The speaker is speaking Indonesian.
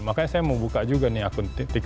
makanya saya mau buka juga nih akun titik